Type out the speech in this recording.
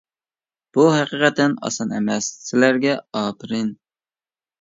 بۇ ھەقىقەتەن ئاسان ئەمەس، سىلەرگە ئاپىرىن!